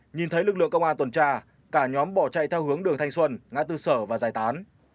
nhìn thấy lực lượng công an tuần tra cả nhóm bỏ chạy theo hướng đường thanh xuân ngã tư sở và giải tán